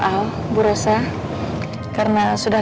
kamu kawal saya sampai tpp teratinda ya